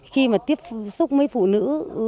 khi tiếp xúc mấy phụ nữ